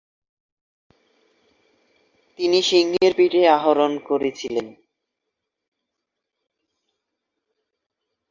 তিনি সিংহের পিঠে আরোহণ করেছিলেন।